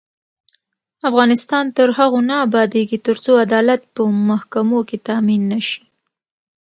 افغانستان تر هغو نه ابادیږي، ترڅو عدالت په محکمو کې تامین نشي.